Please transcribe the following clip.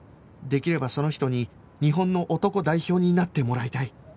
できればその人に日本の男代表になってもらいたい